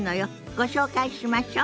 ご紹介しましょ。